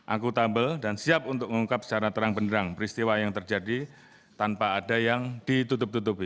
akutabel dan siap untuk mengungkap secara terang benerang peristiwa yang terjadi tanpa ada yang ditutup tutupi